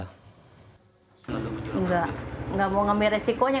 enggak enggak mau ngambil resikonya